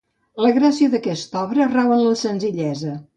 La gràcia d'aquesta obra rau en la senzillesa.